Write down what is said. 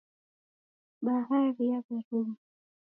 Bahari yaw'eruma.